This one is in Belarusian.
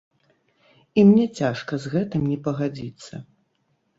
І мне цяжка з гэтым не пагадзіцца.